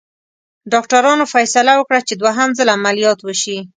ډاکټرانو فیصله وکړه چې دوهم ځل عملیات وشي.